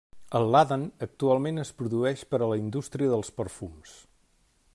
El làdan actualment es produeix per a la indústria dels perfums.